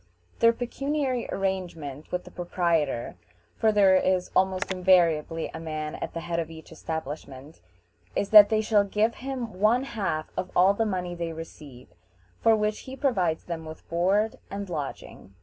Their pecuniary arrangement with the proprietor, for there is almost invariably a man at the head of each establishment, is that they shall give him one half of all the money they receive, for which he provides them with board and lodging.